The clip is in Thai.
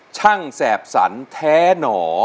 ช่างแสบสรรค์แท้หนอ